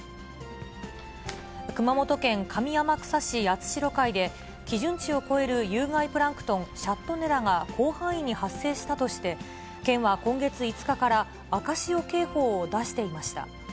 熊本県上天草市八代海で、基準値を超える有害プランクトン、シャットネラが広範囲に発生したとして、県は今月５日から赤潮警報を出していました。